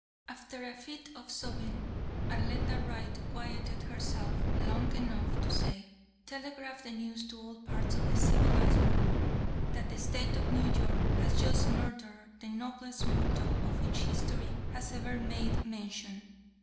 '" "After a fit of sobbing, Arletta Wright quieted herself long enough to say: 'Telegraph the news to all parts of the civilized world that the State of New York has just murdered the noblest mortal of which history has ever made mention.